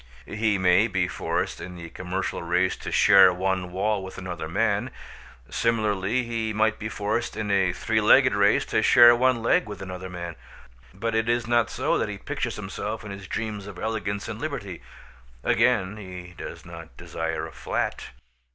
He may be forced in the commercial race to share one wall with another man. Similarly he might be forced in a three legged race to share one leg with another man; but it is not so that he pictures himself in his dreams of elegance and liberty. Again, he does not desire a flat.